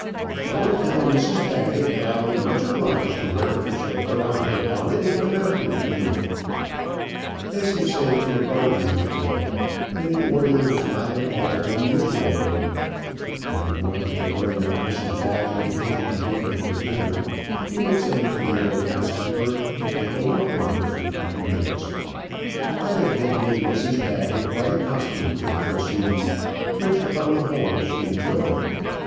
"Go and tell Mrs Baggett that I'll be much obliged to her if she'll put on her bonnet and come out to me here." This he said to a gardener's boy, and the order was not at all an unusual one. When he wanted to learn what Mrs Baggett intended to give him for dinner, he would send for the old housekeeper and take a walk with her for twenty minutes. Habit had made Mrs Baggett quite accustomed to the proceeding, which upon the whole she enjoyed.